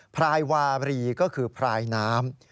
พรายวารีก็คือพรายน้ำ